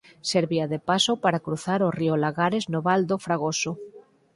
Servía de paso para cruzar o río Lagares no Val do Fragoso.